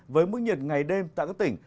với mức nhiệt ngày đêm tại các tỉnh